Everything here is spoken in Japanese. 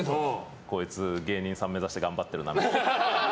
こいつ芸人さん目指して頑張ってるなみたいな。